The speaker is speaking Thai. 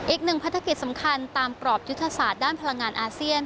อีกหนึ่งพัฒกิจสำคัญตามกรอบยุทธศาสตร์ด้านพลังงานอาเซียน